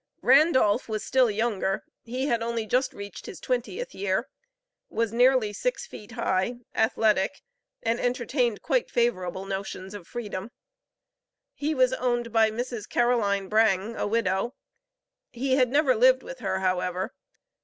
Randolph was still younger; he had only just reached his twentieth year; was nearly six feet high, athletic, and entertained quite favorable notions of freedom. He was owned by Mrs. Caroline Brang, a widow; he had never lived with her, however.